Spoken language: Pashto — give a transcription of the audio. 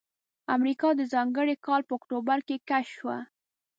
امریکا د ځانګړي کال په اکتوبر کې کشف شوه.